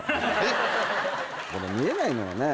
この見えないのがね